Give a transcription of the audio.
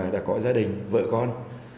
đã có gia đình vợ con